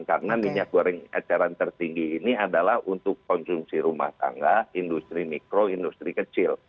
karena minyak goreng eceran tertinggi ini adalah untuk konsumsi rumah tangga industri mikro industri kecil